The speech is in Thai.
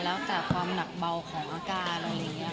แล้วแต่ความหนักเบาของอาการอะไรอย่างนี้ค่ะ